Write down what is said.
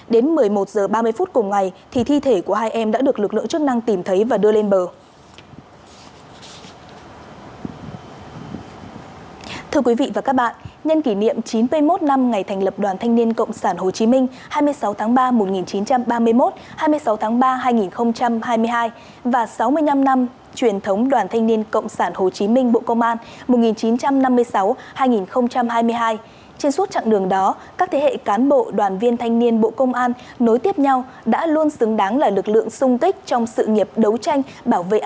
đến một mươi một giờ ba mươi phút cùng ngày thì thi thể của hai em đã được lực lượng chức năng tìm thấy và đưa lên bờ